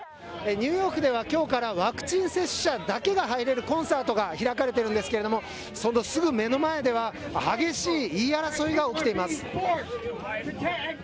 ニューヨークでは今日からワクチン接種者だけが入れるコンサートが開かれているんですがそのすぐ目の前では激しい言い争いが起きています。